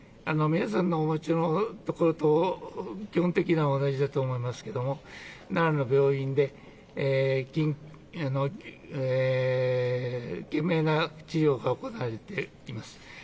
皆さんお持ちのところと基本的には同じだと思いますけれども奈良の病院で懸命な治療が行われています。